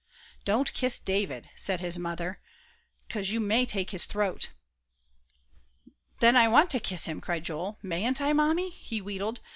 "Don't kiss David," said his mother, "'cause you may take his throat." "Then I want to kiss him," cried Joel. "Mayn't I, Mammy?" he wheedled.